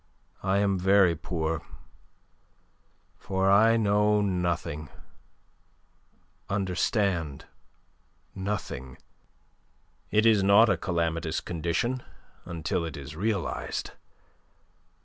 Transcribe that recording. I am very poor for I know nothing, understand nothing. It is not a calamitous condition until it is realized.